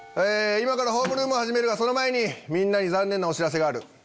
今からホームルームを始めるがその前にみんなに残念なお知らせがある。